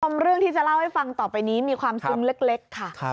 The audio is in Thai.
เรื่องที่จะเล่าให้ฟังต่อไปนี้มีความซึ้งเล็กค่ะ